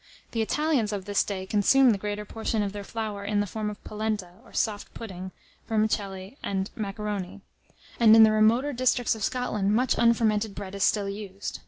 The Italians of this day consume the greater portion of their flour in the form of polenta, or soft pudding, vermicelli, and macaroni; and, in the remoter districts of Scotland, much unfermented bread is still used.